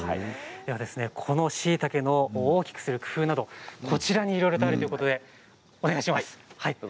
このしいたけを大きくする工夫など、こちらにいろいろあるということでお願いします。